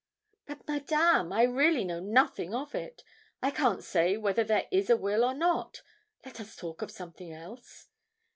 'But, Madame, I really know nothing of it. I can't say whether there is a will or not. Let us talk of something else.'